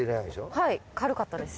はい軽かったです。